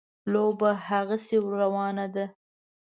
لوبه هغسې روانه ده.